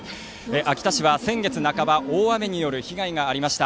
秋田市は先月半ば大雨による被害がありました。